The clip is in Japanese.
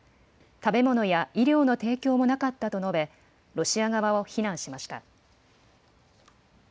食べ物や医療の提供もなかったと述べ、ロシア側を非難しました。